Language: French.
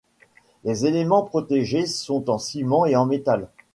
Les éléments protégés sont en ciment et en métal.